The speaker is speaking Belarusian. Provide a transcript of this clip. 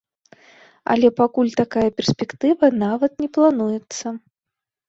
Але пакуль такая перспектыва нават не плануецца.